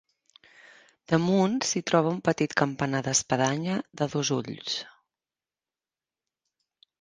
Damunt s'hi troba un petit campanar d'espadanya de dos ulls.